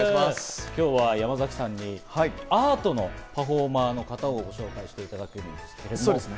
今日は山崎さんにアートのパフォーマーの方を紹介していただきますけれども。